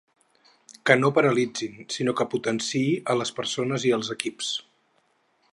Que no paralitzin sinó què potenciï a les persones i els equips.